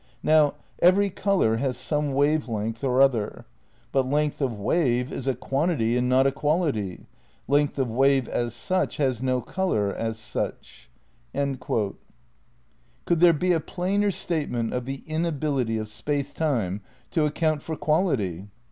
Now every colour has some wave length or other. ... But length of wave is a quantity and not a quality ... leng^th of wave as such has no colour as such. .."' Could there be a plainer statement of the inability of Space Time to account for quality?